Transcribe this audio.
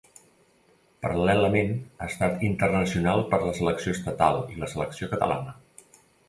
Paral·lelament, ha estat internacional per la selecció estatal i la selecció catalana.